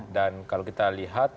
dan kalau kita lihat